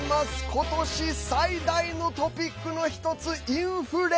今年最大のトピックの一つインフレ！